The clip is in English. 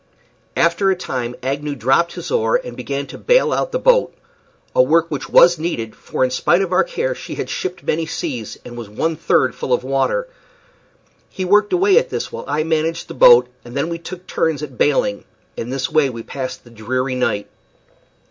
After a time Agnew dropped his oar and began to bail out the boat a work which was needed; for, in spite of our care, she had shipped many seas, and was one third full of water. He worked away at this while I managed the boat, and then we took turns at bailing. In this way we passed the dreary night.